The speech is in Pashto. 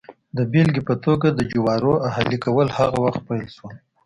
د بېلګې په توګه د جوارو اهلي کول هغه وخت پیل شول